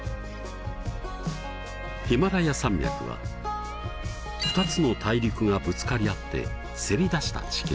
ヒマラヤ山脈は２つの大陸がぶつかり合ってせり出した地形。